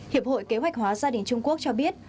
hiệp hội kế hoạch hóa gia đình trung quốc cho biết